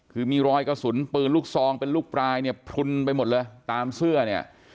คือมีรอยกระสุนปืนลูกซองเป็นลูกปลายเนี่ยพลุนไปหมดเลยตามเสื้อเนี่ย